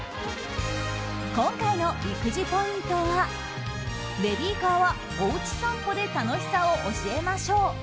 今回の育児ポイントはベビーカーはおうち散歩で楽しさを教えましょう。